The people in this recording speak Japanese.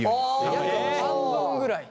約半分ぐらい。